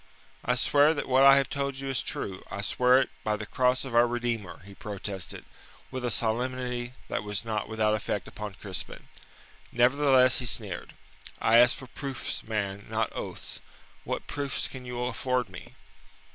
"I swear that what I have told you is true. I swear it by the cross of our Redeemer!" he protested, with a solemnity that was not without effect upon Crispin. Nevertheless, he sneered. "I ask for proofs, man, not oaths. What proofs can you afford me?"